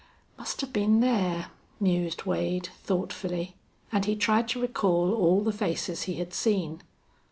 "Must have been there," mused Wade, thoughtfully, and he tried to recall all the faces he had seen.